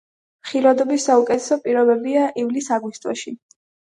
ხილვადობის საუკეთესო პირობებია ივლის-აგვისტოში.